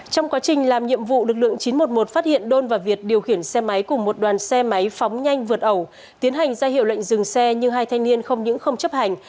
trong quá trình làm nhiệm vụ lực lượng chín trăm một mươi một phát hiện đôn và việt điều khiển xe máy cùng một đoàn xe máy phóng nhanh vượt ẩu tiến hành ra hiệu lệnh dừng xe nhưng hai thanh niên không những không chấp hành